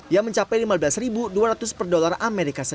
yang mencapai lima belas dua ratus per dolar as